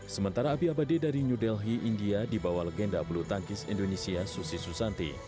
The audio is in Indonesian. sementara abia abadi dari new delhi india dibawa legenda belutangkis indonesia susi susanti